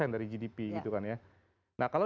yang dari gdp gitu kan ya nah kalau